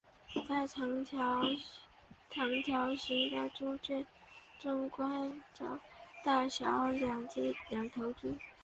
在长条形的猪圈中关着大小两头猪。